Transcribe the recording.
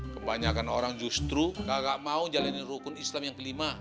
kebanyakan orang justru gak mau jalanin rukun islam yang kelima